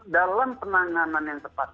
dalam penanganan yang tepat